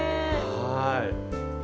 はい。